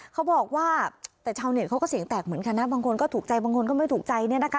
เขาบอกว่าแต่ชาวเน็ตเขาก็เสียงแตกเหมือนกันนะบางคนก็ถูกใจบางคนก็ไม่ถูกใจเนี่ยนะคะ